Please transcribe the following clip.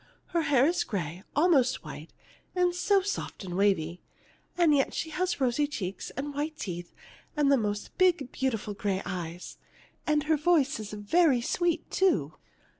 Her hair is gray, almost white, and so soft and wavy. And yet she has rosy cheeks, and white teeth, and the most beautiful big gray eyes. And her voice is very sweet, too.